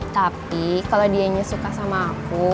tapi kalau dianya suka sama aku